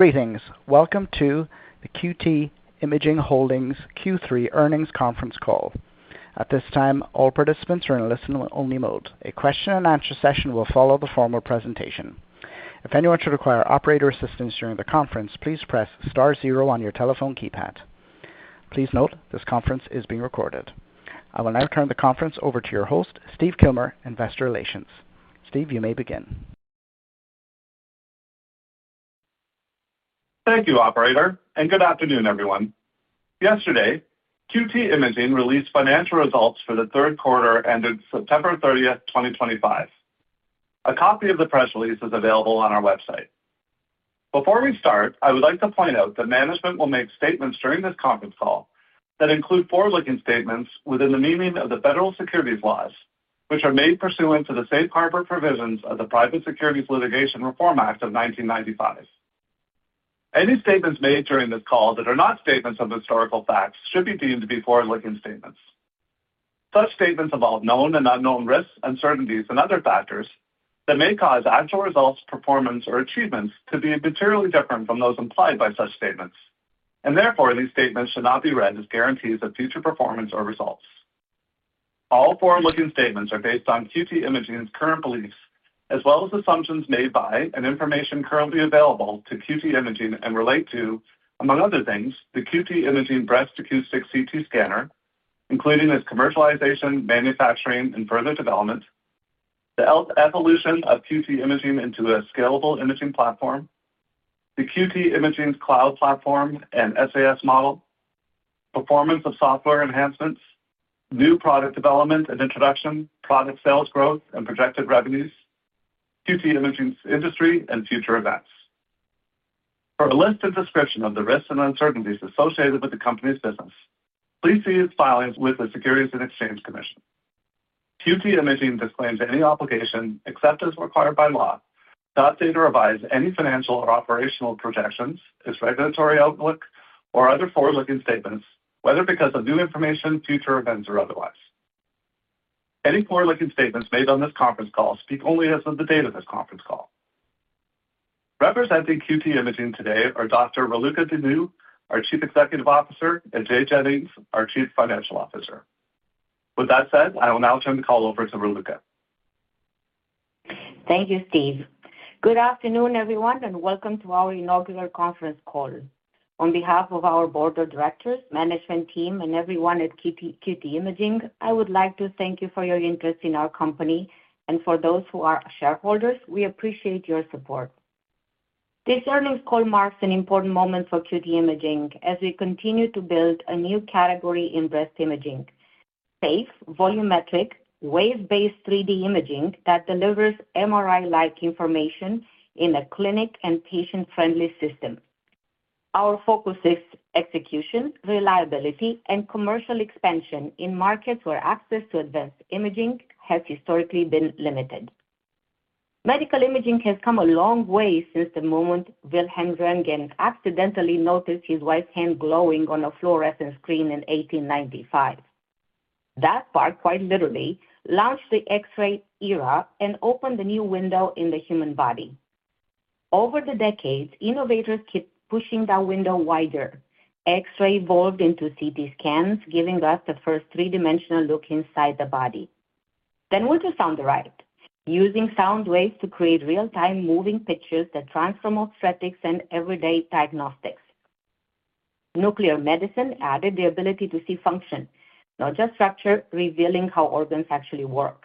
Greetings. Welcome to the QT Imaging Holdings Q3 Earnings Conference Call. At this time, all participants are in listen-only mode. A question and answer session will follow the formal presentation. If anyone should require operator assistance during the conference, please press star zero on your telephone keypad. Please note this conference is being recorded. I will now turn the conference over to your host, Steve Kilmer, Investor Relations. Steve, you may begin. Thank you, operator, and good afternoon, everyone. Yesterday, QT Imaging released financial results for the third quarter ended September 30th, 2025. A copy of the press release is available on our website. Before we start, I would like to point out that management will make statements during this conference call that include forward-looking statements within the meaning of the federal securities laws, which are made pursuant to the safe harbor provisions of the Private Securities Litigation Reform Act of 1995. Any statements made during this call that are not statements of historical facts should be deemed to be forward-looking statements. Such statements involve known and unknown risks, uncertainties, and other factors that may cause actual results, performance, or achievements to be materially different from those implied by such statements, and therefore, these statements should not be read as guarantees of future performance or results. All forward-looking statements are based on QT Imaging's current beliefs, as well as assumptions made by and information currently available to QT Imaging and relate to, among other things, the QT Imaging breast acoustic CT scanner, including its commercialization, manufacturing, and further development, the evolution of QT Imaging into a scalable imaging platform, the QT Imaging cloud platform and SaaS model, performance of software enhancements, new product development and introduction, product sales growth and projected revenues, QT Imaging's industry and future events. For a list and description of the risks and uncertainties associated with the company's business, please see its filings with the Securities and Exchange Commission. QT Imaging disclaims any obligation, except as required by law, to update or revise any financial or operational projections, its regulatory outlook, or other forward-looking statements, whether because of new information, future events, or otherwise. Any forward-looking statements made on this conference call speak only as of the date of this conference call. Representing QT Imaging today are Dr. Raluca Dinu, our Chief Executive Officer, and Jay Jennings, our Chief Financial Officer. With that said, I will now turn the call over to Raluca. Thank you, Steve. Good afternoon, everyone, and welcome to our inaugural conference call. On behalf of our board of directors, management team, and everyone at QT Imaging, I would like to thank you for your interest in our company, and for those who are shareholders, we appreciate your support. This earnings call marks an important moment for QT Imaging as we continue to build a new category in breast imaging: safe, volumetric, wave-based 3D imaging that delivers MRI-like information in a clinic and patient-friendly system. Our focus is execution, reliability, and commercial expansion in markets where access to advanced imaging has historically been limited. Medical imaging has come a long way since the moment Wilhelm Röntgen accidentally noticed his wife's hand glowing on a fluorescent screen in 1895. That spark, quite literally, launched the X-ray era and opened a new window in the human body. Over the decades, innovators keep pushing that window wider. X-rays evolved into CT scans, giving us the first three-dimensional look inside the body. Ultrasound arrived, using sound waves to create real-time moving pictures that transformed obstetrics and everyday diagnostics. Nuclear medicine added the ability to see function, not just structure, revealing how organs actually work.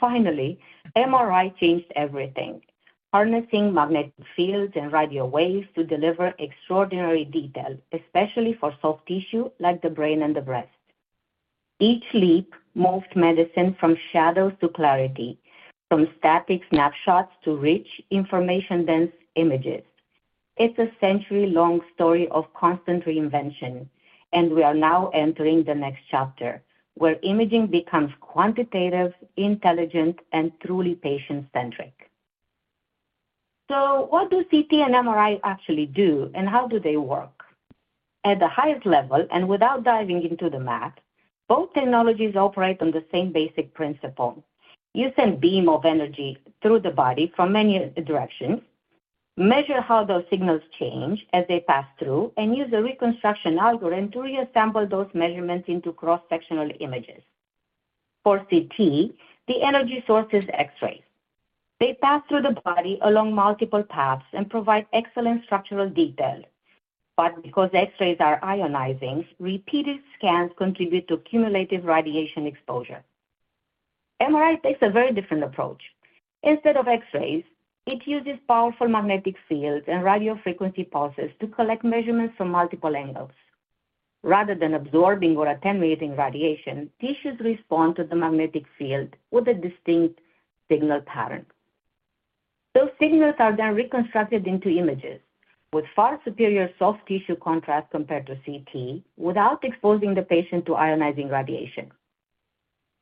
Finally, MRI changed everything, harnessing magnetic fields and radio waves to deliver extraordinary detail, especially for soft tissue like the brain and the breast. Each leap moved medicine from shadows to clarity, from static snapshots to rich information-dense images. It's a century-long story of constant reinvention, and we are now entering the next chapter, where imaging becomes quantitative, intelligent, and truly patient-centric. What do CT and MRI actually do, and how do they work? At the highest level, and without diving into the math, both technologies operate on the same basic principle. You send beam of energy through the body from many directions, measure how those signals change as they pass through, and use a reconstruction algorithm to reassemble those measurements into cross-sectional images. For CT, the energy source is X-rays. They pass through the body along multiple paths and provide excellent structural detail. Because X-rays are ionizing, repeated scans contribute to cumulative radiation exposure. MRI takes a very different approach. Instead of X-rays, it uses powerful magnetic fields and radiofrequency pulses to collect measurements from multiple angles. Rather than absorbing or attenuating radiation, tissues respond to the magnetic field with a distinct signal pattern. Those signals are then reconstructed into images with far superior soft tissue contrast compared to CT without exposing the patient to ionizing radiation.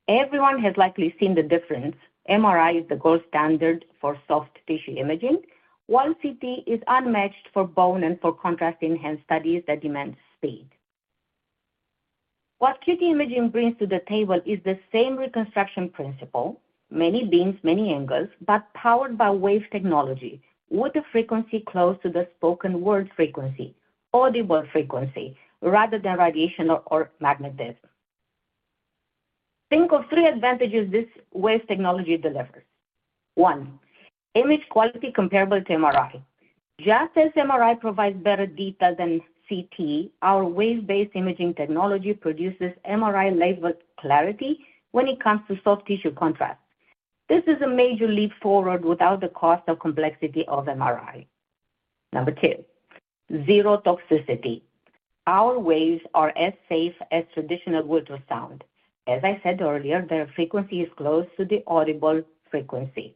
Everyone has likely seen the difference. MRI is the gold standard for soft tissue imaging, while CT is unmatched for bone and for contrast enhanced studies that demand speed. What QT Imaging brings to the table is the same reconstruction principle, many beams, many angles, but powered by wave technology with a frequency close to the spoken word frequency, audible frequency, rather than radiation or magnetism. Think of three advantages this wave technology delivers. One, image quality comparable to MRI. Just as MRI provides better detail than CT, our wave-based imaging technology produces MRI-level clarity when it comes to soft tissue contrast. This is a major leap forward without the cost or complexity of MRI. Number two, zero toxicity. Our waves are as safe as traditional ultrasound. As I said earlier, their frequency is close to the audible frequency.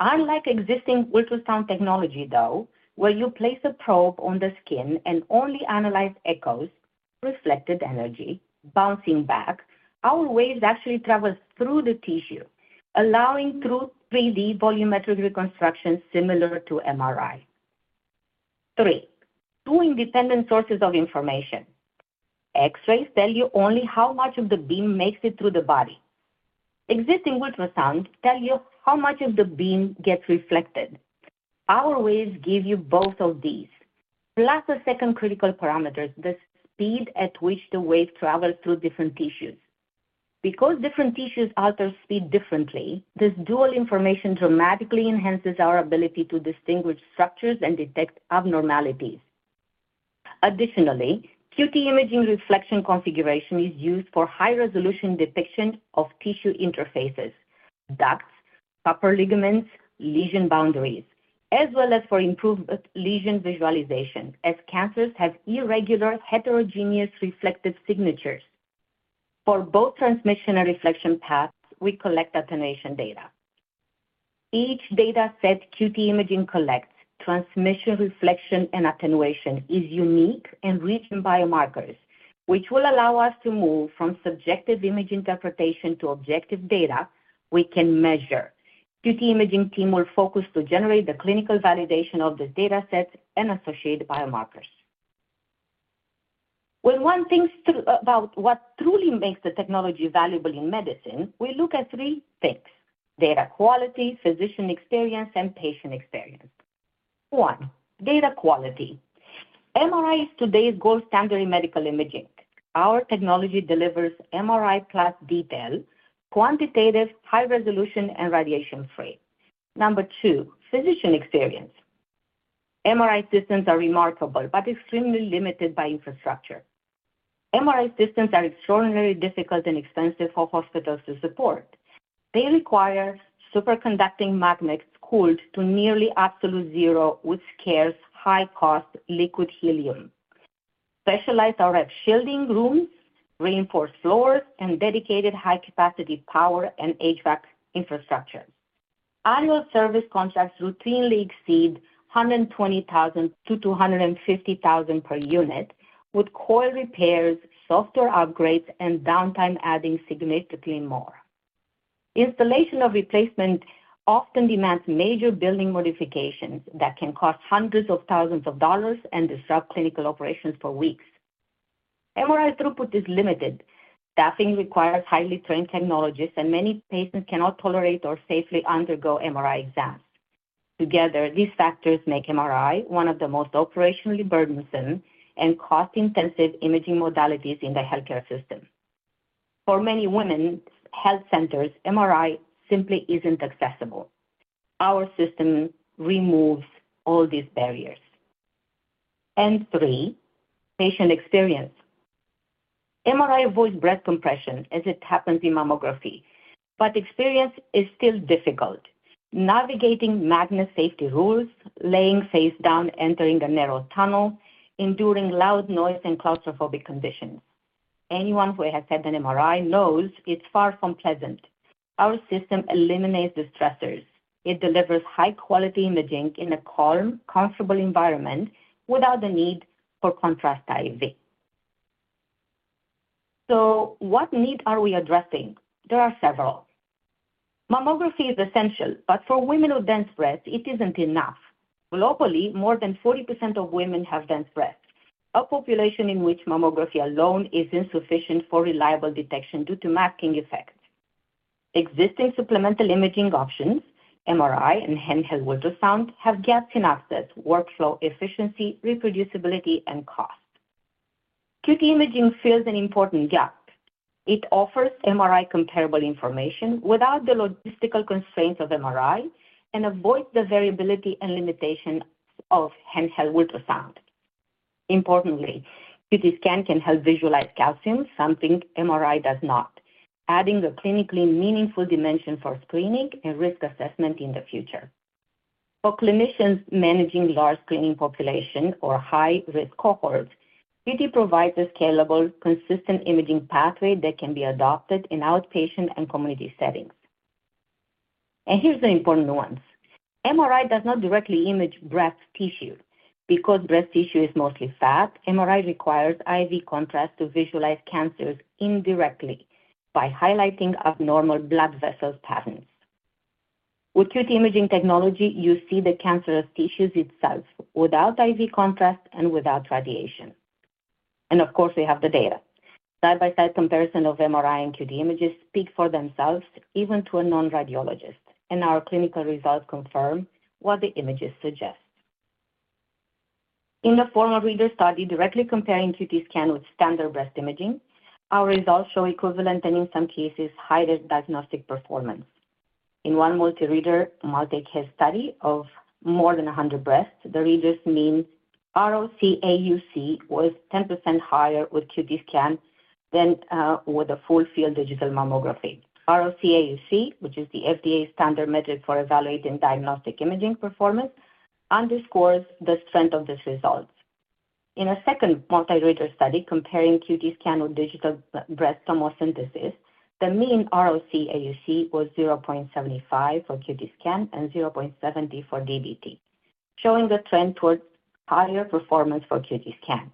Unlike existing ultrasound technology, though, where you place a probe on the skin and only analyze echoes, reflected energy bouncing back, our waves actually travel through the tissue, allowing true 3D volumetric reconstruction similar to MRI. Three, two independent sources of information. X-rays tell you only how much of the beam makes it through the body. Existing ultrasound tells you how much of the beam gets reflected. Our waves give you both of these, plus a second critical parameter, the speed at which the wave travels through different tissues. Because different tissues alter speed differently, this dual information dramatically enhances our ability to distinguish structures and detect abnormalities. Additionally, QT Imaging reflection configuration is used for high-resolution depiction of tissue interfaces, ducts, proper ligaments, lesion boundaries, as well as for improved lesion visualization, as cancers have irregular heterogeneous reflective signatures. For both transmission and reflection paths, we collect attenuation data. Each data set QT Imaging collects, transmission, reflection, and attenuation is unique and rich in biomarkers, which will allow us to move from subjective image interpretation to objective data we can measure. QT Imaging team will focus to generate the clinical validation of the data sets and associated biomarkers. When one thinks about what truly makes the technology valuable in medicine, we look at three things: data quality, physician experience, and patient experience. One, data quality. MRI is today's gold standard in medical imaging. Our technology delivers MRI-plus detail, quantitative, high resolution, and radiation-free. Number two, physician experience. MRI systems are remarkable but extremely limited by infrastructure. MRI systems are extraordinarily difficult and expensive for hospitals to support. They require superconducting magnets cooled to nearly absolute zero with scarce, high-cost liquid helium, specialized RF shielding room, reinforced floor, and dedicated high-capacity power and HVAC infrastructure. Annual service contracts routinely exceed $120,000-$250,000 per unit, with coil repairs, software upgrades, and downtime adding significantly more. Installation of replacement often demands major building modifications that can cost hundreds of thousands of dollars and disrupt clinical operations for weeks. MRI throughput is limited. Staffing requires highly trained technologists, and many patients cannot tolerate or safely undergo MRI exams. Together, these factors make MRI one of the most operationally burdensome and cost-intensive imaging modalities in the healthcare system. For many women's health centers, MRI simply isn't accessible. Our system removes all these barriers. Three, patient experience. MRI avoids breast compression as it happens in mammography, but the experience is still difficult, navigating magnet safety rules, lying face down, entering a narrow tunnel, enduring loud noise and claustrophobic conditions. Anyone who has had an MRI knows it's far from pleasant. Our system eliminates the stressors. It delivers high-quality imaging in a calm, comfortable environment without the need for contrast IV. What needs are we addressing? There are several. Mammography is essential, but for women with dense breasts, it isn't enough. Globally, more than 40% of women have dense breasts, a population in which mammography alone is insufficient for reliable detection due to masking effects. Existing supplemental imaging options, MRI and handheld ultrasound, have gaps in access, workflow efficiency, reproducibility, and cost. QT Imaging fills an important gap. It offers MRI-comparable information without the logistical constraints of MRI and avoids the variability and limitation of handheld ultrasound. Importantly, QTscan can help visualize calcium, something MRI does not, adding a clinically meaningful dimension for screening and risk assessment in the future. For clinicians managing large screening populations or high-risk cohorts, QT provides a scalable, consistent imaging pathway that can be adopted in outpatient and community settings. Here's an important one. MRI does not directly image breast tissue. Because breast tissue is mostly fat, MRI requires IV contrast to visualize cancers indirectly by highlighting abnormal blood vessel patterns. With QT Imaging technology, you see the cancerous tissues itself without IV contrast and without radiation. Of course, we have the data. Side-by-side comparison of MRI and QT images speak for themselves, even to a non-radiologist. Our clinical results confirm what the images suggest. In the form of reader study directly comparing QTscan with standard breast imaging, our results show equivalent and in some cases higher diagnostic performance. In one multi-reader, multi-case study of more than 100 breasts, the readers mean ROC AUC was 10% higher with QTscan than with a full-field digital mammography. ROC AUC, which is the FDA standard metric for evaluating diagnostic imaging performance, underscores the strength of these results. In a second multi-reader study comparing QTscan with digital breast tomosynthesis, the mean ROC AUC was 0.75 for QTscan and 0.70 for DBT, showing the trend towards higher performance for QTscan.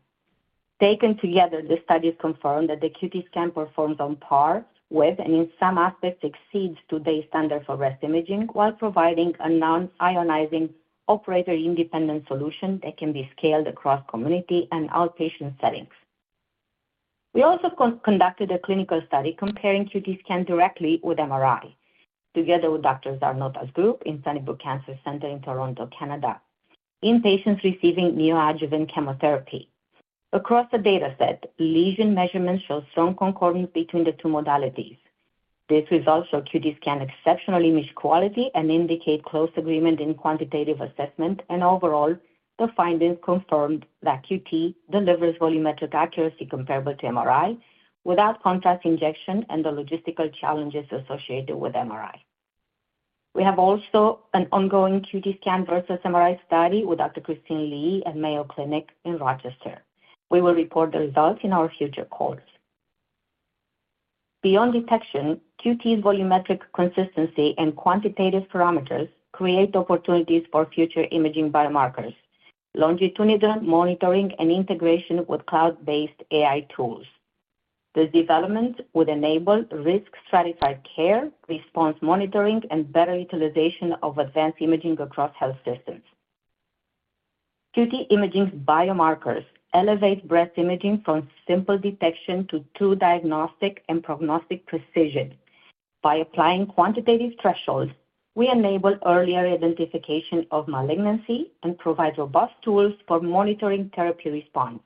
Taken together, the studies confirm that the QTscan performs on par with and in some aspects exceeds today's standard for breast imaging while providing a non-ionizing operator-independent solution that can be scaled across community and outpatient settings. We also conducted a clinical study comparing QTscan directly with MRI together with Dr. Czarnota's group in Sunnybrook Cancer Centre in Toronto, Canada, in patients receiving neoadjuvant chemotherapy. Across the dataset, lesion measurements show strong concordance between the two modalities. These results show QTscan exceptional image quality and indicate close agreement in quantitative assessment, and overall, the findings confirmed that QT delivers volumetric accuracy comparable to MRI without contrast injection and the logistical challenges associated with MRI. We have also an ongoing QTscan versus MRI study with Dr. Christine U. Lee at Mayo Clinic in Rochester. We will report the results in our future calls. Beyond detection, QT's volumetric consistency and quantitative parameters create opportunities for future imaging biomarkers, longitudinal monitoring, and integration with cloud-based AI tools. The developments would enable risk-stratified care, response monitoring, and better utilization of advanced imaging across health systems. QT Imaging biomarkers elevate breast imaging from simple detection to true diagnostic and prognostic precision. By applying quantitative thresholds, we enable earlier identification of malignancy and provide robust tools for monitoring therapy response,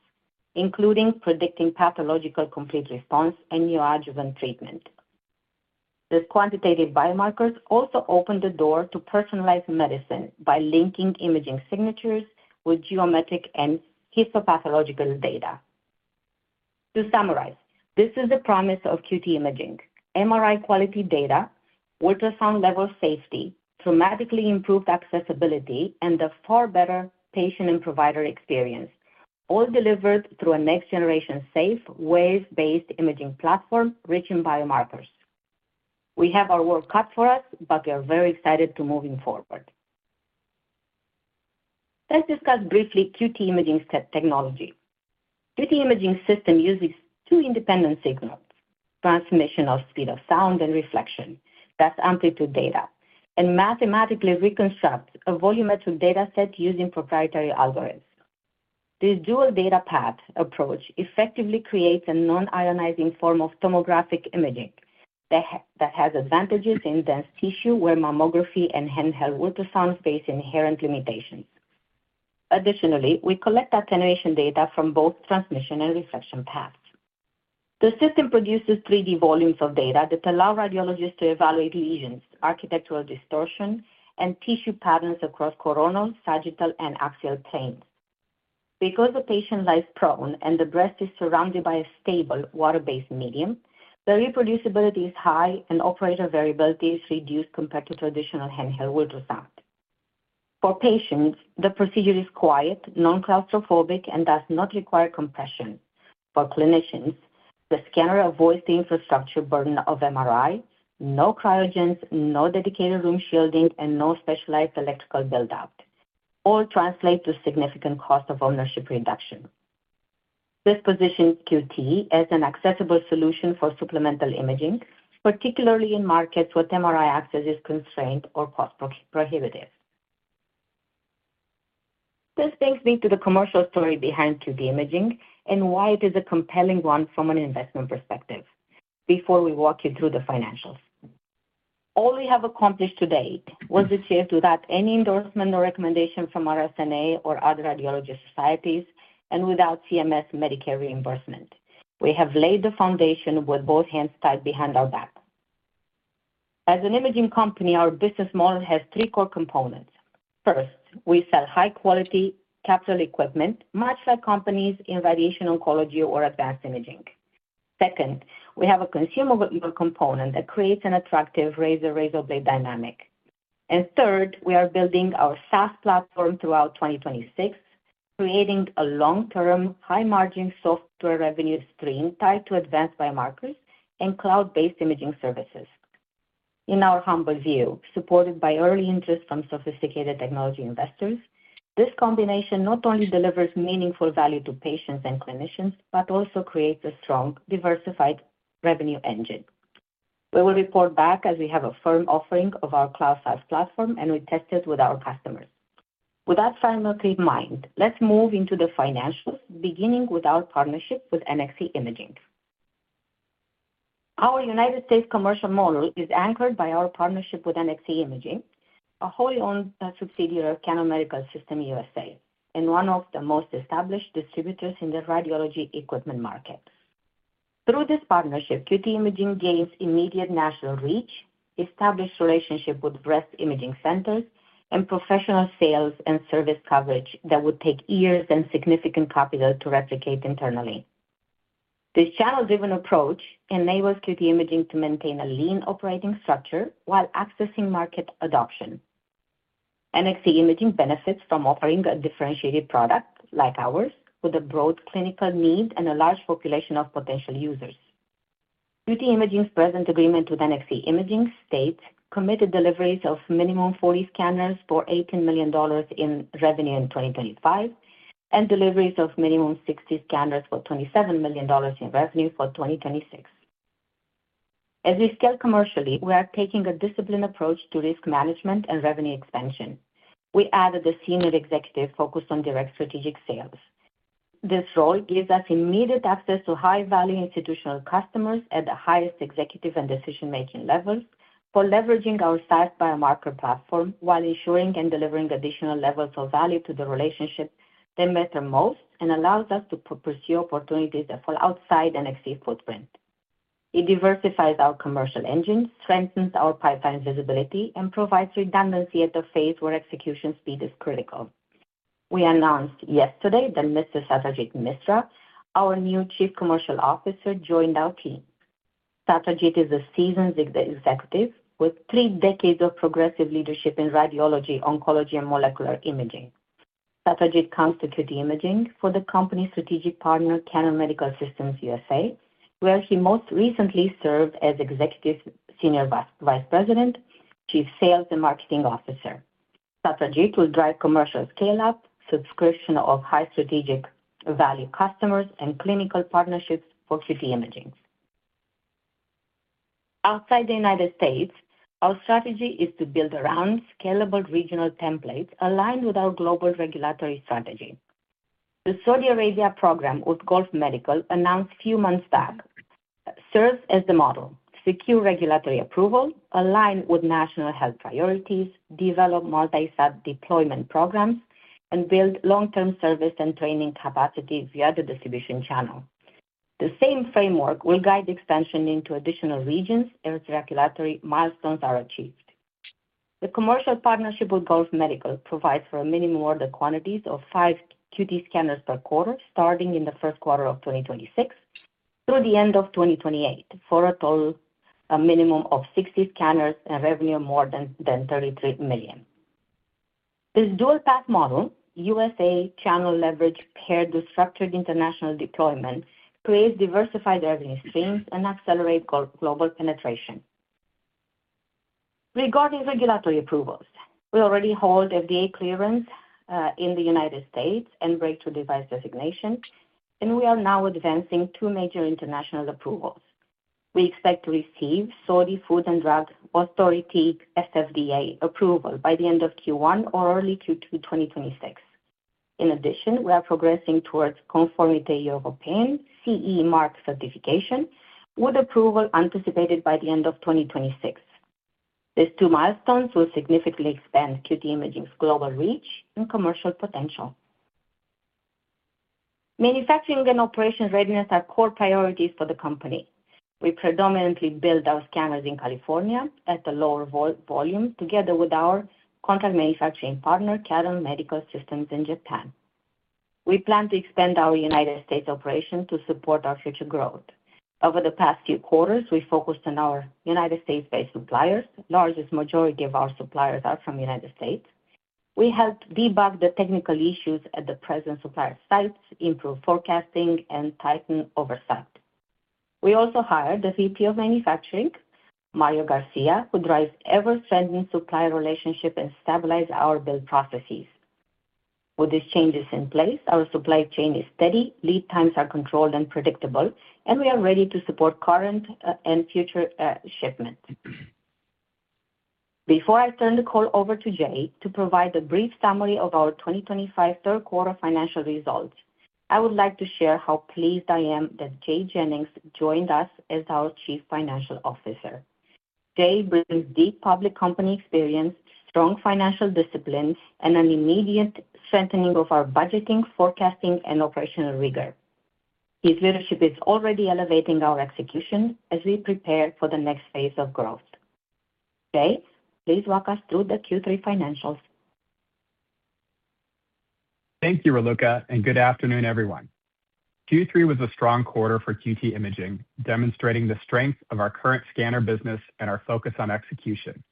including predicting pathological complete response and neoadjuvant treatment. These quantitative biomarkers also open the door to personalized medicine by linking imaging signatures with geometric and histopathological data. To summarize, this is the promise of QT Imaging. MRI quality data, ultrasound level safety, dramatically improved accessibility, and a far better patient and provider experience, all delivered through a next-generation safe wave-based imaging platform rich in biomarkers. We have our work cut for us, but we are very excited to move forward. Let's discuss briefly QT Imaging's technology. QT Imaging system uses two independent signals, transmission of speed of sound and reflection. That's amplitude data. Mathematically reconstructs a volumetric data set using proprietary algorithms. This dual data path approach effectively creates a non-ionizing form of tomographic imaging that has advantages in dense tissue where mammography and handheld ultrasound face inherent limitations. Additionally, we collect attenuation data from both transmission and reflection paths. The system produces 3D volumes of data that allow radiologists to evaluate lesions, architectural distortion, and tissue patterns across coronal, sagittal, and axial planes. Because the patient lies prone and the breast is surrounded by a stable water-based medium, the reproducibility is high, and operator variability is reduced compared to traditional handheld ultrasound. For patients, the procedure is quiet, non-claustrophobic, and does not require compression. For clinicians, the scanner avoids the infrastructure burden of MRI, no cryogens, no dedicated room shielding, and no specialized electrical build-out. All translate to significant cost of ownership reduction. This positions QT as an accessible solution for supplemental imaging, particularly in markets where MRI access is constrained or cost prohibitive. This brings me to the commercial story behind QT Imaging and why it is a compelling one from an investment perspective before we walk you through the financials. All we have accomplished to date was achieved without any endorsement or recommendation from RSNA or other radiologist societies and without CMS Medicare reimbursement. We have laid the foundation with both hands tied behind our back. As an imaging company, our business model has three core components. First, we sell high-quality capital equipment, much like companies in radiation oncology or advanced imaging. Second, we have a consumable component that creates an attractive razor/razor blade dynamic. Third, we are building our SaaS platform throughout 2026, creating a long-term high-margin software revenue stream tied to advanced biomarkers and cloud-based imaging services. In our humble view, supported by early interest from sophisticated technology investors. This combination not only delivers meaningful value to patients and clinicians, but also creates a strong, diversified revenue engine. We will report back as we have a firm offering of our Cloud SaaS platform, and we test it with our customers. With that framework in mind, let's move into the financials, beginning with our partnership with NXC Imaging. Our United States commercial model is anchored by our partnership with NXC Imaging, a wholly owned subsidiary of Canon Medical Systems USA, and one of the most established distributors in the radiology equipment market. Through this partnership, QT Imaging gains immediate national reach, established relationship with breast imaging centers, and professional sales and service coverage that would take years and significant capital to replicate internally. This channel-driven approach enables QT Imaging to maintain a lean operating structure while accessing market adoption. NXC Imaging benefits from offering a differentiated product like ours with a broad clinical need and a large population of potential users. QT Imaging's present agreement with NXC Imaging states committed deliveries of minimum 40 scanners for $18 million in revenue in 2025, and deliveries of minimum 60 scanners for $27 million in revenue for 2026. As we scale commercially, we are taking a disciplined approach to risk management and revenue expansion. We added a senior executive focused on direct strategic sales. This role gives us immediate access to high-value institutional customers at the highest executive and decision-making levels for leveraging our site biomarker platform while ensuring and delivering additional levels of value to the relationships that matter most, and allows us to pursue opportunities that fall outside NXC footprint. It diversifies our commercial engine, strengthens our pipeline visibility, and provides redundancy at the phase where execution speed is critical. We announced yesterday that Mr. Satrajit Misra, our new Chief Commercial Officer, joined our team. Satrajit is a seasoned executive with three decades of progressive leadership in radiology, oncology and molecular imaging. Satrajit comes to QT Imaging from the company's strategic partner, Canon Medical Systems USA, where he most recently served as Executive Senior Vice President, Chief Sales and Marketing Officer. Satrajit will drive commercial scale-up, subscription of high strategic value customers, and clinical partnerships for QT Imaging. Outside the United States, our strategy is to build around scalable regional templates aligned with our global regulatory strategy. The Saudi Arabia program with Gulf Medical announced a few months back serves as the model. Secure regulatory approval, align with national health priorities, develop multi-site deployment programs, and build long-term service and training capacity via the distribution channel. The same framework will guide expansion into additional regions as regulatory milestones are achieved. The commercial partnership with Gulf Medical provides for a minimum order quantities of 5 QT scanners per quarter, starting in the first quarter of 2026 through the end of 2028, for a total minimum of 60 scanners and revenue more than $33 million. This dual path model, USA channel leverage paired with structured international deployment, creates diversified revenue streams and accelerate global penetration. Regarding regulatory approvals, we already hold FDA clearance in the United States and breakthrough device designation, and we are now advancing two major international approvals. We expect to receive Saudi Food and Drug Authority, SFDA, approval by the end of Q1 or early Q2 2026. In addition, we are progressing towards Conformité Européenne, CE, mark certification, with approval anticipated by the end of 2026. These two milestones will significantly expand QT Imaging's global reach and commercial potential. Manufacturing and operation readiness are core priorities for the company. We predominantly build our scanners in California at a lower volume together with our contract manufacturing partner, Canon Medical Systems, in Japan. We plan to expand our United States operation to support our future growth. Over the past few quarters, we focused on our United States-based suppliers. Largest majority of our suppliers are from United States. We helped debug the technical issues at the present supplier sites, improve forecasting, and tighten oversight. We also hired the VP of Manufacturing, Mario Garcia, who drives ever-strengthening supplier relationship and stabilize our build processes. With these changes in place, our supply chain is steady, lead times are controlled and predictable, and we are ready to support current and future shipments. Before I turn the call over to Jay to provide a brief summary of our 2025 third quarter financial results, I would like to share how pleased I am that Jay Jennings joined us as our Chief Financial Officer. Jay brings deep public company experience, strong financial discipline, and an immediate strengthening of our budgeting, forecasting, and operational rigor. His leadership is already elevating our execution as we prepare for the next phase of growth. Jay, please walk us through the Q3 financials. Thank you, Raluca, and good afternoon, everyone. Q3 was a strong quarter for QT Imaging, demonstrating the strength of our current scanner business and our focus on execution.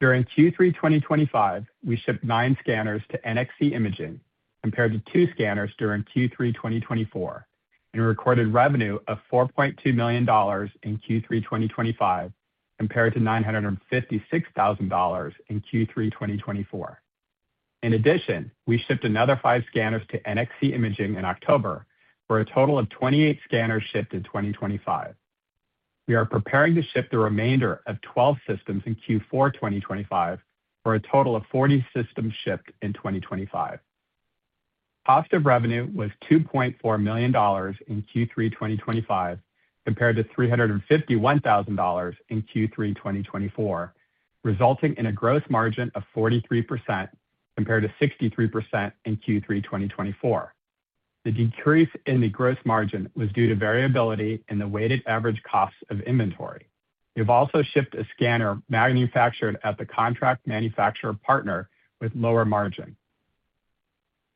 During Q3 2025, we shipped nine scanners to NXC Imaging, compared to two scanners during Q3 2024, and recorded revenue of $4.2 million in Q3 2025 compared to $956,000 in Q3 2024. In addition, we shipped another five scanners to NXC Imaging in October for a total of 28 scanners shipped in 2025. We are preparing to ship the remainder of 12 systems in Q4 2025 for a total of 40 systems shipped in 2025. Cost of revenue was $2.4 million in Q3 2025 compared to $351,000 in Q3 2024, resulting in a gross margin of 43% compared to 63% in Q3 2024. The decrease in the gross margin was due to variability in the weighted average cost of inventory. We have also shipped a scanner manufactured at the contract manufacturer partner with lower margin.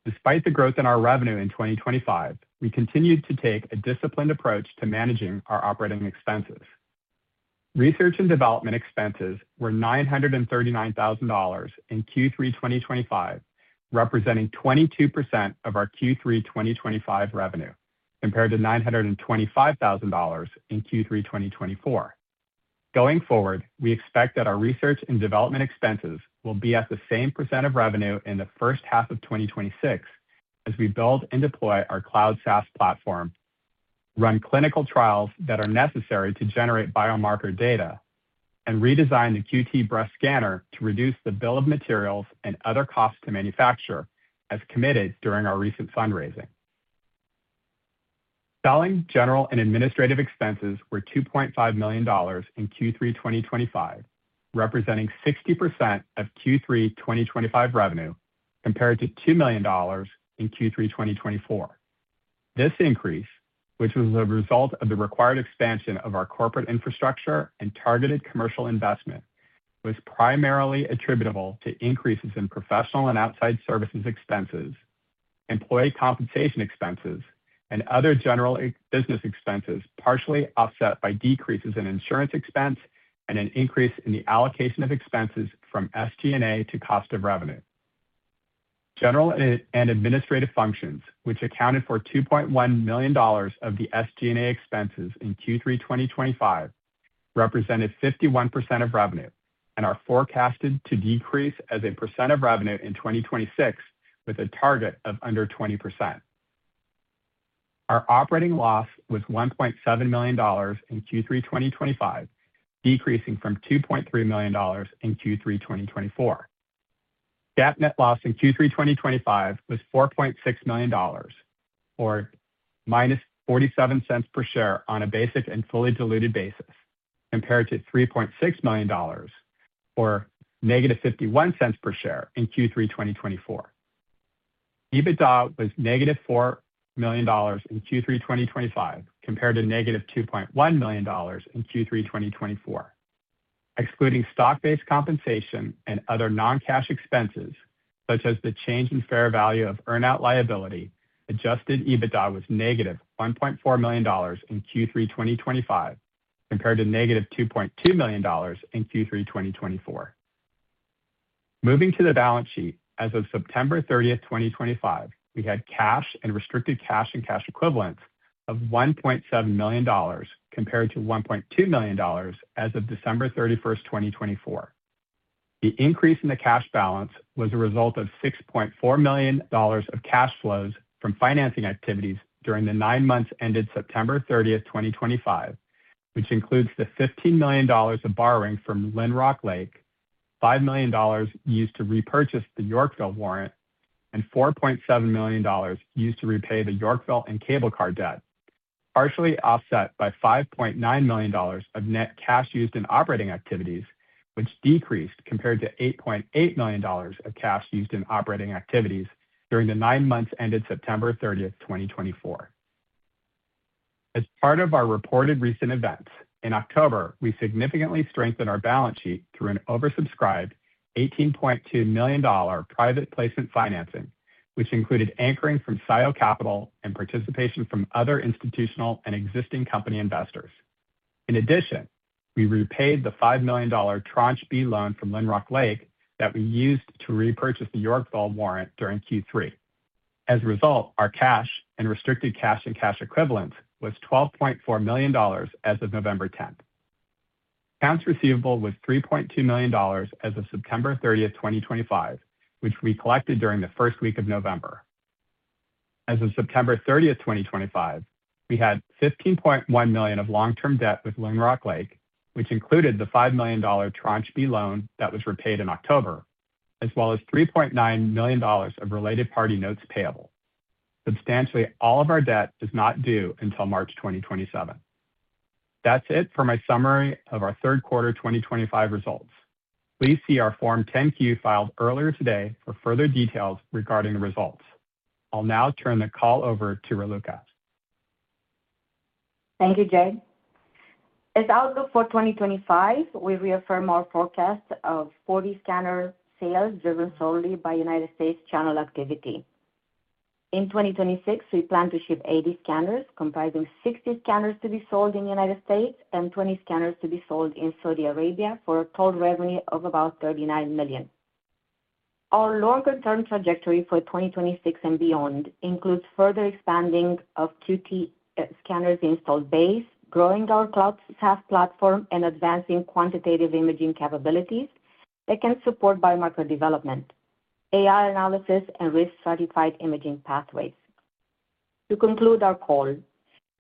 Despite the growth in our revenue in 2025, we continued to take a disciplined approach to managing our operating expenses. Research and development expenses were $939,000 in Q3 2025, representing 22% of our Q3 2025 revenue, compared to $925,000 in Q3 2024. Going forward, we expect that our research and development expenses will be at the same percent of revenue in the first half of 2026 as we build and deploy our cloud SaaS platform, run clinical trials that are necessary to generate biomarker data, and redesign the QT Breast Scanner to reduce the bill of materials and other costs to manufacture as committed during our recent fundraising. Selling, general, and administrative expenses were $2.5 million in Q3 2025, representing 60% of Q3 2025 revenue, compared to $2 million in Q3 2024. This increase, which was a result of the required expansion of our corporate infrastructure and targeted commercial investment, was primarily attributable to increases in professional and outside services expenses, employee compensation expenses, and other general business expenses, partially offset by decreases in insurance expense and an increase in the allocation of expenses from SG&A to cost of revenue. General and administrative functions, which accounted for $2.1 million of the SG&A expenses in Q3 2025, represented 51% of revenue and are forecasted to decrease as a percent of revenue in 2026 with a target of under 20%. Our operating loss was $1.7 million in Q3 2025, decreasing from $2.3 million in Q3 2024. GAAP net loss in Q3 2025 was $4.6 million or -$0.47 per share on a basic and fully diluted basis, compared to $3.6 million or -$0.51 per share in Q3 2024. EBITDA was -$4 million in Q3 2025 compared to -$2.1 million in Q3 2024. Excluding stock-based compensation and other non-cash expenses, such as the change in fair value of earn-out liability, adjusted EBITDA was -$1.4 million in Q3 2025 compared to -$2.2 million in Q3 2024. Moving to the balance sheet, as of September 30th, 2025, we had cash and restricted cash and cash equivalents of $1.7 million compared to $1.2 million as of December 31st, 2024. The increase in the cash balance was a result of $6.4 million of cash flows from financing activities during the nine months ended September 30th, 2025, which includes the $15 million of borrowing from Lynrock Lake, $5 million used to repurchase the Yorkville warrant, and $4.7 million used to repay the Yorkville and Cable Car debt, partially offset by $5.9 million of net cash used in operating activities, which decreased compared to $8.8 million of cash used in operating activities during the nine months ended September 30th, 2024. As part of our reported recent events, in October, we significantly strengthened our balance sheet through an oversubscribed $18.2 million private placement financing, which included anchoring from Sio Capital and participation from other institutional and existing company investors. In addition, we repaid the $5 million tranche B loan from Lynrock Lake that we used to repurchase the Yorkville warrant during Q3. As a result, our cash and restricted cash and cash equivalents was $12.4 million as of November 10th. Accounts receivable was $3.2 million as of September 30th, 2025, which we collected during the first week of November. As of September 30th, 2025, we had $15.1 million of long-term debt with Lynrock Lake, which included the $5 million tranche B loan that was repaid in October, as well as $3.9 million of related party notes payable. Substantially all of our debt is not due until March 2027. That's it for my summary of our third quarter 2025 results. Please see our Form 10-Q filed earlier today for further details regarding the results. I'll now turn the call over to Raluca. Thank you, Jay. Our outlook for 2025, we reaffirm our forecast of 40 scanner sales driven solely by United States channel activity. In 2026, we plan to ship 80 scanners, comprising 60 scanners to be sold in the United States and 20 scanners to be sold in Saudi Arabia for a total revenue of about $39 million. Our longer-term trajectory for 2026 and beyond includes further expanding of QT scanners installed base, growing our cloud SaaS platform, and advancing quantitative imaging capabilities that can support biomarker development, AI analysis, and risk-stratified imaging pathways. To conclude our call,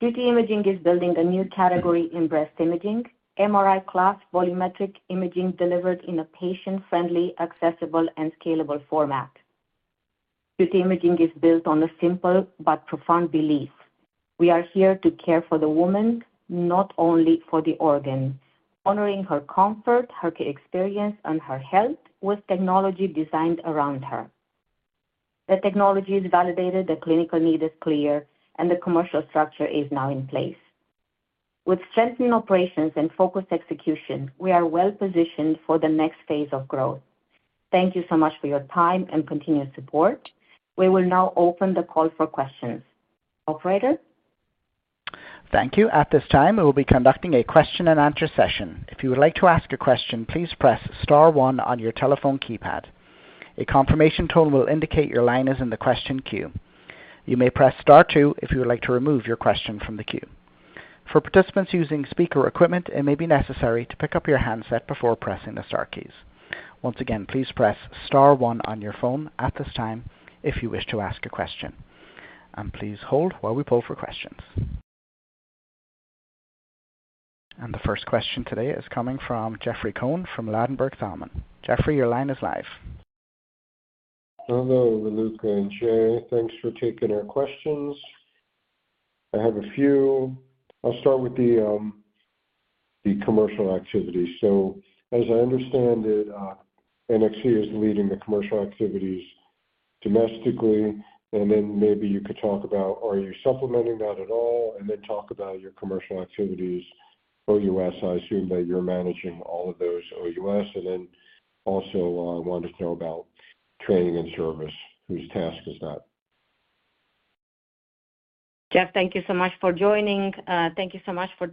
QT Imaging is building a new category in breast imaging, MRI class volumetric imaging delivered in a patient-friendly, accessible, and scalable format. QT Imaging is built on a simple but profound belief. We are here to care for the woman, not only for the organ, honoring her comfort, her experience, and her health with technology designed around her. The technology is validated, the clinical need is clear, and the commercial structure is now in place. With strengthened operations and focused execution, we are well-positioned for the next phase of growth. Thank you so much for your time and continuous support. We will now open the call for questions. Operator? Thank you. At this time, we will be conducting a question and answer session. If you would like to ask a question, please press star one on your telephone keypad. A confirmation tone will indicate your line is in the question queue. You may press star two if you would like to remove your question from the queue. For participants using speaker equipment, it may be necessary to pick up your handset before pressing the star keys. Once again, please press star one on your phone at this time if you wish to ask a question. Please hold while we pull for questions. The first question today is coming from Jeffrey Cohen from Ladenburg Thalmann. Jeffrey, your line is live. Hello, Raluca and Jay. Thanks for taking our questions. I have a few. I'll start with the commercial activity. As I understand it, NXC is leading the commercial activities domestically, and then maybe you could talk about are you supplementing that at all, and then talk about your commercial activities OUS. I assume that you're managing all of those OUS. Also wanted to know about training and service, whose task is that? Jeff, thank you so much for joining. Thank you so much for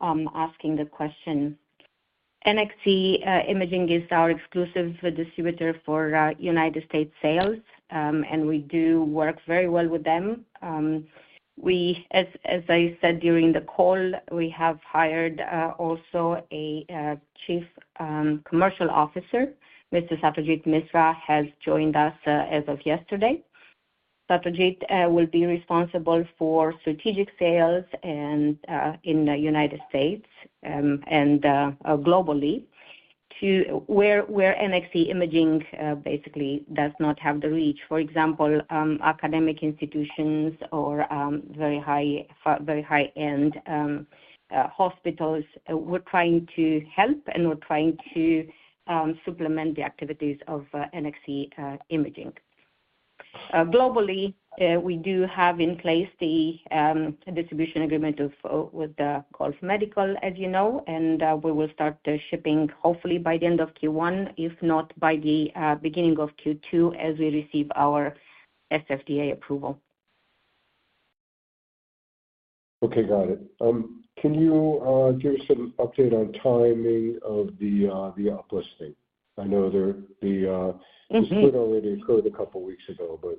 asking the question. NXC Imaging is our exclusive distributor for United States sales, and we do work very well with them. As I said during the call, we have hired also a Chief Commercial Officer. Mr. Satrajit Misra has joined us as of yesterday. Satyajit will be responsible for strategic sales in the United States and globally, where NXC Imaging basically does not have the reach. For example, academic institutions or very high-end hospitals, we're trying to help, and we're trying to supplement the activities of NXC Imaging. Globally, we do have in place the distribution agreement with the Gulf Medical, as you know, and we will start the shipping hopefully by the end of Q1, if not by the beginning of Q2 as we receive our SFDA approval. Okay, got it. Can you give some update on timing of the up listing? I know the- Mm-hmm. The split already occurred a couple weeks ago, but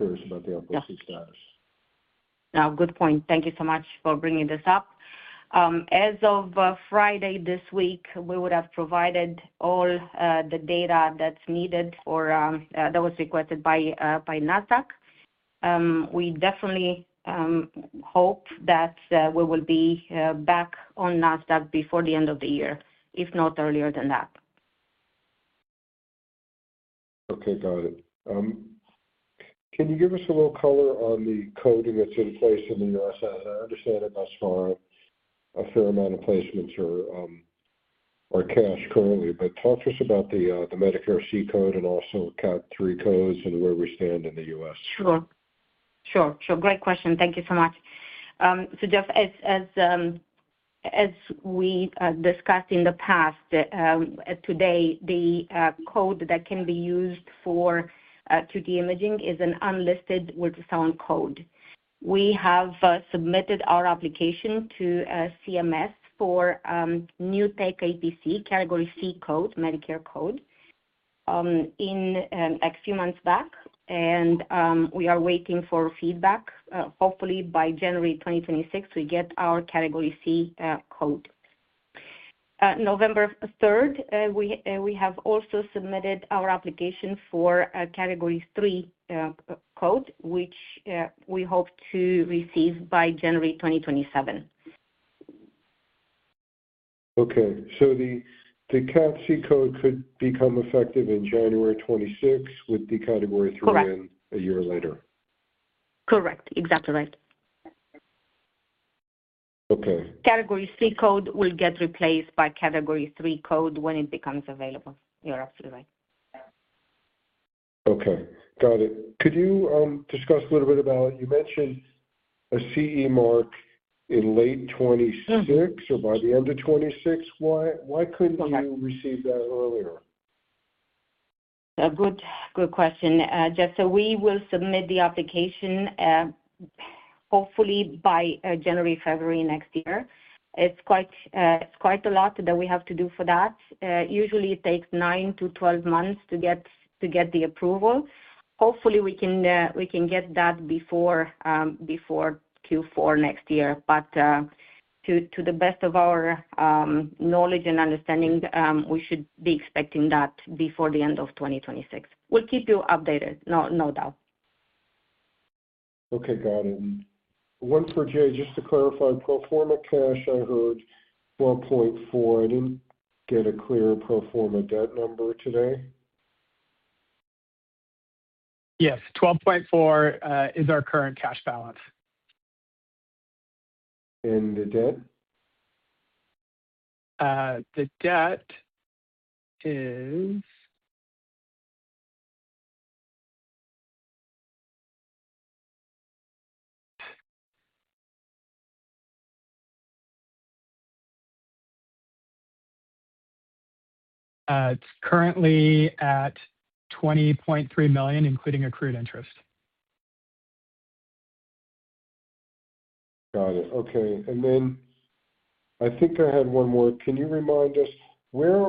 I'm curious about the uplisting status. Yeah. Good point. Thank you so much for bringing this up. As of Friday this week, we would have provided all the data that's needed or that was requested by Nasdaq. We definitely hope that we will be back on Nasdaq before the end of the year, if not earlier than that. Okay, got it. Can you give us a little color on the coding that's in place in the U.S.? As I understand it thus far, a fair amount of placements are cash currently. Talk to us about the Medicare C code and also Cat III codes and where we stand in the U.S. Sure. Great question. Thank you so much. Jeff, as we discussed in the past, today, the code that can be used for QT imaging is an unlisted ultrasound code. We have submitted our application to CMS for new tech APC Category C code, Medicare code, a few months back, and we are waiting for feedback. Hopefully by January 2026, we get our Category C code. November 3rd, we have also submitted our application for a Category III code, which we hope to receive by January 2027. Okay. The Cat C code could become effective in January 2026 with the Category III- Correct. in a year later. Correct. Exactly right. Okay. Category C code will get replaced by Category III code when it becomes available. You're absolutely right. Okay. Got it. Could you discuss a little bit about, you mentioned a CE mark in late 2026 or by the end of 2026. Why couldn't you receive that earlier? A good question, Jeff. We will submit the application at, hopefully by January, February next year. It's quite a lot that we have to do for that. Usually, it takes nine to 12 months to get the approval. Hopefully, we can get that before Q4 next year. To the best of our knowledge and understanding, we should be expecting that before the end of 2026. We'll keep you updated, no doubt. Okay, got it. One for Jay, just to clarify, pro forma cash, I heard $12.4. I didn't get a clear pro forma debt number today. Yes. $12.4 is our current cash balance. The debt? It's currently at $20.3 million, including accrued interest. Got it. Okay. I think I had one more. Can you remind us where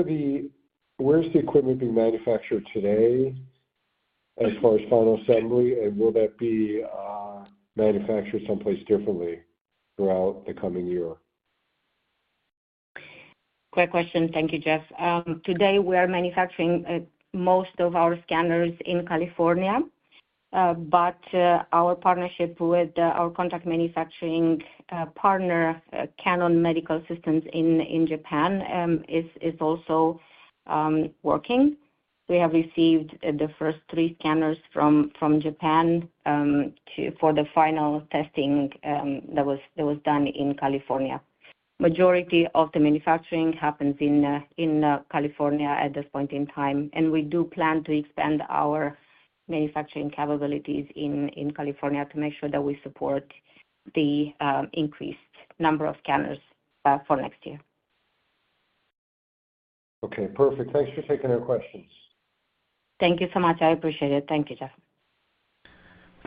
is the equipment being manufactured today as far as final assembly, and will that be manufactured someplace differently throughout the coming year? Great question. Thank you, Jeff. Today, we are manufacturing most of our scanners in California, but our partnership with our contract manufacturing partner, Canon Medical Systems in Japan, is also working. We have received the first three scanners from Japan for the final testing that was done in California. The majority of the manufacturing happens in California at this point in time, and we do plan to expand our manufacturing capabilities in California to make sure that we support the increased number of scanners for next year. Okay, perfect. Thanks for taking our questions. Thank you so much. I appreciate it. Thank you, Jeff.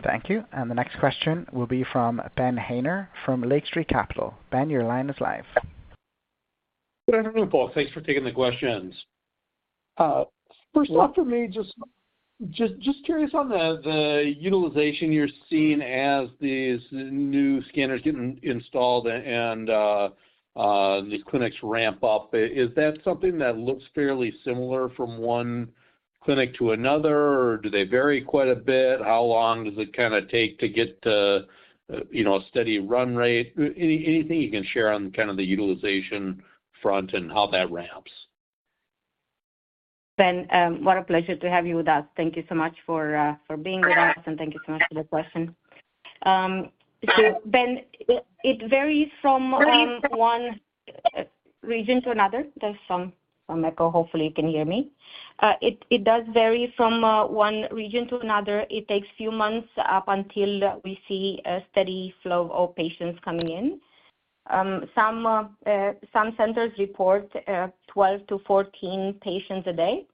Thank you. The next question will be from Ben Haynor from Lake Street Capital. Ben, your line is live. Good afternoon, folks. Thanks for taking the questions. First off for me, just curious on the utilization you're seeing as these new scanners get installed and the clinics ramp up. Is that something that looks fairly similar from one clinic to another, or do they vary quite a bit? How long does it take to get to a steady run rate? Anything you can share on the utilization front and how that ramps? Ben, what a pleasure to have you with us. Thank you so much for being with us, and thank you so much for the question. Ben, it varies from one region to another. There's some echo. Hopefully, you can hear me. It does vary from one region to another. It takes few months up until we see a steady flow of patients coming in. Some centers report 12-14 patients a day.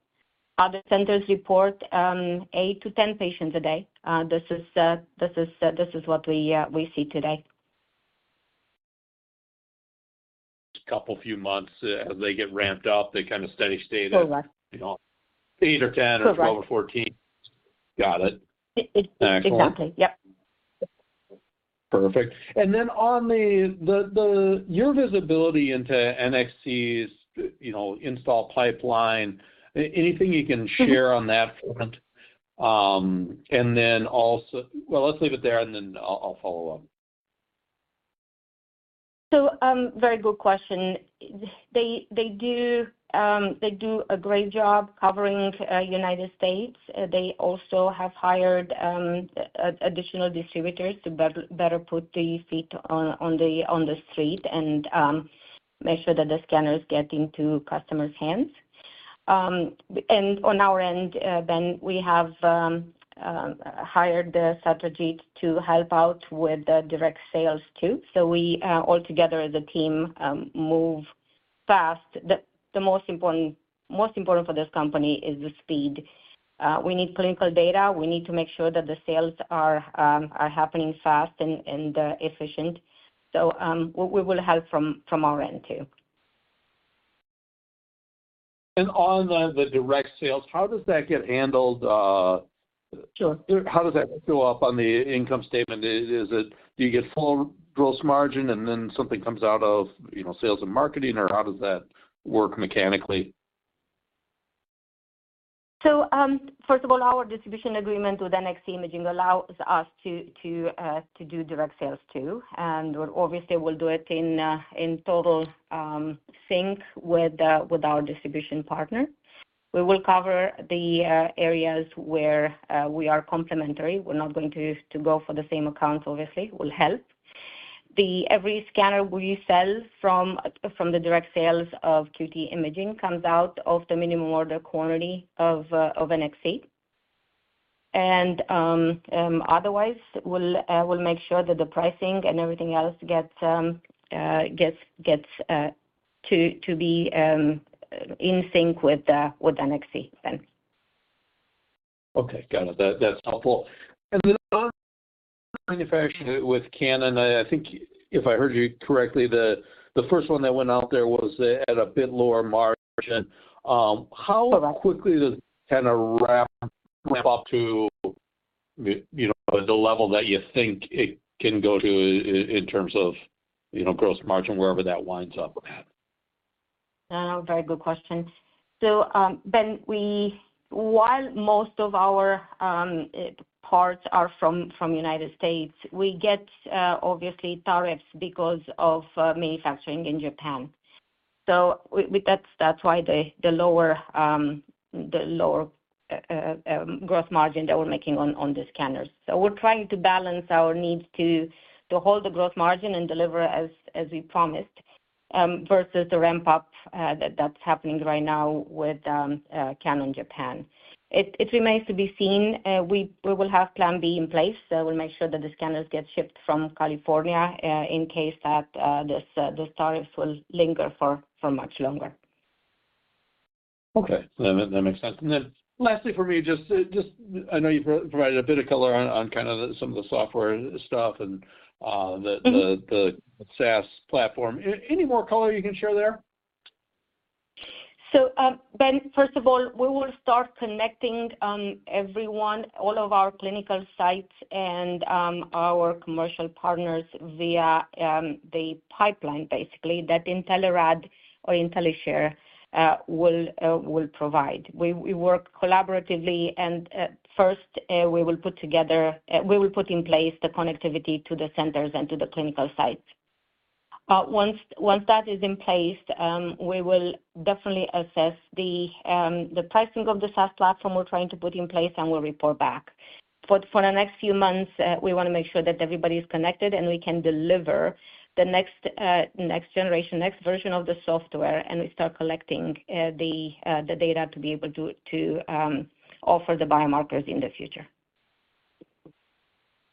Other centers report 8-10 patients a day. This is what we see today. Couple few months as they get ramped up, they kind of steady state at- Correct. Eight or 10. Correct. 12 or 14. Got it. Exactly. Yep. Perfect. On your visibility into NXC's install pipeline, anything you can share on that front? Well, let's leave it there, and then I'll follow up. Very good question. They do a great job covering United States. They also have hired additional distributors to better put the feet on the street and make sure that the scanners get into customers' hands. On our end, Ben, we have hired Satrajit to help out with the direct sales too. We altogether as a team move fast. The most important for this company is the speed. We need clinical data. We need to make sure that the sales are happening fast and efficient. We will help from our end, too. On the direct sales, how does that get handled? How does that show up on the income statement? Do you get full gross margin and then something comes out of sales and marketing, or how does that work mechanically? First of all, our distribution agreement with NXC Imaging allows us to do direct sales, too. Obviously, we'll do it in total sync with our distribution partner. We will cover the areas where we are complementary. We're not going to go for the same accounts, obviously. We'll help. Every scanner we sell from the direct sales of QT Imaging comes out of the minimum order quantity of NXC. Otherwise, we'll make sure that the pricing and everything else gets to be in sync with NXC then. Okay, got it. That's helpful. On manufacturing with Canon, I think if I heard you correctly, the first one that went out there was at a bit lower margin. How quickly does it kind of ramp up to the level that you think it can go to in terms of gross margin, wherever that winds up at? Very good question. Ben, while most of our parts are from United States, we get obviously tariffs because of manufacturing in Japan. That's why the lower gross margin that we're making on the scanners. We're trying to balance our needs to hold the gross margin and deliver as we promised, versus the ramp-up that's happening right now with Canon Japan. It remains to be seen. We will have plan B in place, so we'll make sure that the scanners get shipped from California, in case that these tariffs will linger for much longer. Okay. That makes sense. Lastly for me, just, I know you provided a bit of color on kind of some of the software stuff and the SaaS platform. Any more color you can share there? Ben, first of all, we will start connecting everyone, all of our clinical sites and our commercial partners via the pipeline, basically, that Intelerad or InteleShare will provide. We work collaboratively and first we will put in place the connectivity to the centers and to the clinical sites. Once that is in place, we will definitely assess the pricing of the SaaS platform we're trying to put in place, and we'll report back. For the next few months, we want to make sure that everybody's connected, and we can deliver the next generation, next version of the software, and we start collecting the data to be able to offer the biomarkers in the future.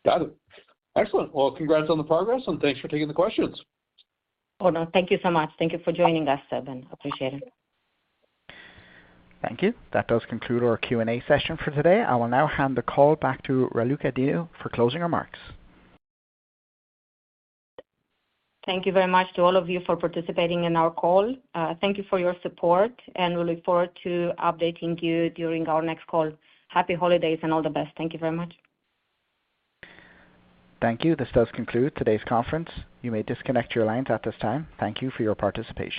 Got it. Excellent. Well, congrats on the progress, and thanks for taking the questions. Oh, no. Thank you so much. Thank you for joining us, Ben. Appreciate it. Thank you. That does conclude our Q&A session for today. I will now hand the call back to Raluca Dinu for closing remarks. Thank you very much to all of you for participating in our call. Thank you for your support, and we look forward to updating you during our next call. Happy holidays and all the best. Thank you very much. Thank you. This does conclude today's conference. You may disconnect your lines at this time. Thank you for your participation.